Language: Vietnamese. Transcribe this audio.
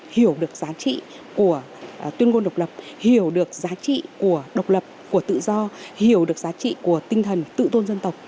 hiểu được giá trị của tuyên ngôn độc lập hiểu được giá trị của độc lập của tự do hiểu được giá trị của tinh thần tự tôn dân tộc